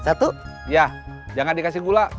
boleh jangan dikasih gula